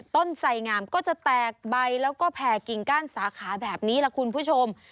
ไสงามก็จะแตกใบแล้วก็แผ่กิ่งก้านสาขาแบบนี้ล่ะคุณผู้ชม